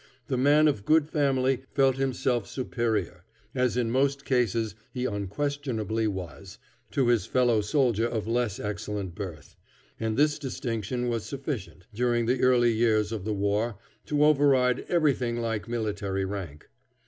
The man of good family felt himself superior, as in most cases he unquestionably was, to his fellow soldier of less excellent birth; and this distinction was sufficient, during the early years of the war, to override everything like military rank.